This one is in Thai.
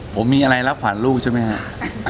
ผมมีอะไรรับขวัญลูกใช่ไหมครับ